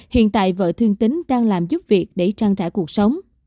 hiện tại vợ thương tính đang làm giúp việc để trang trải cuộc sống